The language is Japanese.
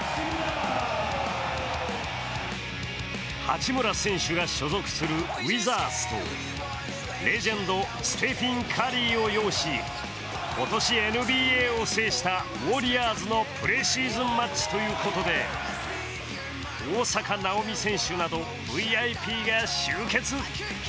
八村選手が所属するウィザーズとレジェンド、スティフン・カリーを擁し、今年ＮＢＡを制したウォリアーズのプレシーズンマッチということで大坂なおみ選手などＶＩＰが集結。